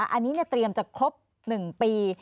อันนี้เตรียมจะครบ๑ปี